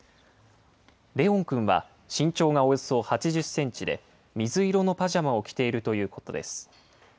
怜音くんは、身長がおよそ８０センチで、水色のパジャマを着ているということです。